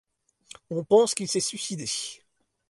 On pense qu'il s'est suicidé.